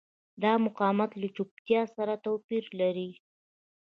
دا مقاومت له چوپتیا سره توپیر لري.